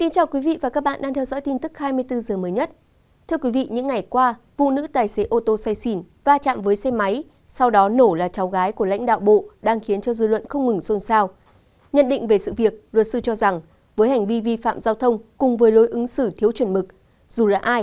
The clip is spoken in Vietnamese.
các bạn hãy đăng ký kênh để ủng hộ kênh của chúng mình nhé